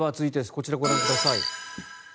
こちらをご覧ください。